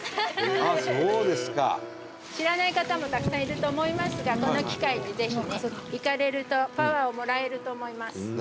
知らない方もたくさんいると思いますがこの機会にぜひね行かれるとパワーをもらえると思います。